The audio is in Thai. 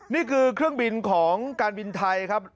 นี่คือเครื่องบินของการบินไทยครับ